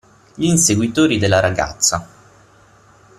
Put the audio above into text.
Gli inseguitori della ragazza.